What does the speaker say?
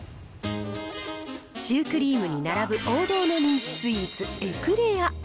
シュークリームに並ぶ王道の人気スイーツ、エクレア。